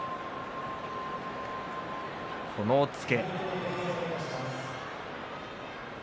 この押っつけ。